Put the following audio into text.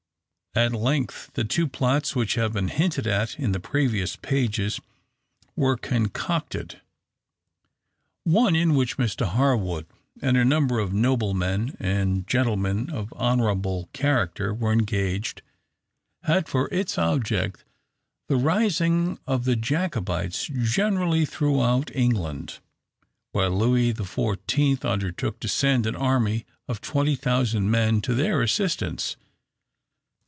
At length, the two plots which have been hinted at in the previous pages were concocted. One, in which Mr Harwood and a number of noblemen and gentlemen of honourable character were engaged, had for its object the rising of the Jacobites generally throughout England, while Louis the Fourteenth undertook to send an army of 20,000 men to their assistance.